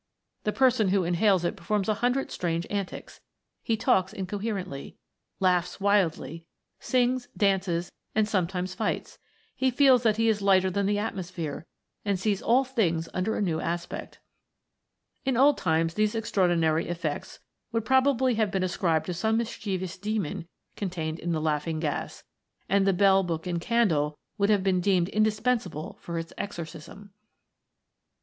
The person who inhales it performs a hundred strange antics ; he talks incoherently, laughs wildly, sings, dances, and sometimes fights ; he feels that he is lighter than the atmosphere, and sees all things under a new aspect. THE FOUR ELEMENTS. 41 In old times these extraordinary effects would probably have been ascribed to some mischievous demon contained in the laughing gas, and the " bell, book, and candle," would have been deemed indis pensable for its exorcism.